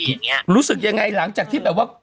รู้สึกยังไงหลังจากที่แบบว่า